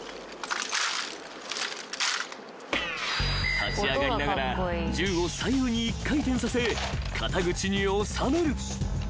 ［立ち上がりながら銃を左右に１回転させ肩口に収める］